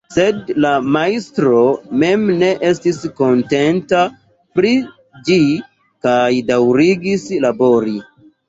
Sed la majstro mem ne estis kontenta pri ĝi kaj daŭrigis labori.